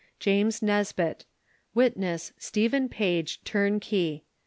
JAMES NISBETT" "Witness, STEPHEN PAGE, Turnkey.